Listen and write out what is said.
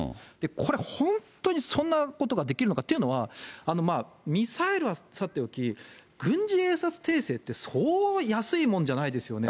これ、本当にそんなことができるのか。というのは、ミサイルはさておき、軍事偵察衛星って、そう安いものじゃないですよね。